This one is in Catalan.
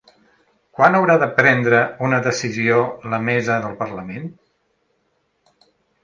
Quan haurà de prendre una decisió la mesa del parlament?